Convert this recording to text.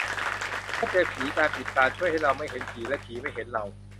ถ้าเจอผี การปิดตาช่วยให้เราไม่เห็นผี และผีไม่เห็นเรา